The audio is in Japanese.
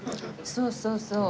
そうそうそう。